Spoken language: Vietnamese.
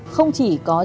không chỉ có trách nhiệm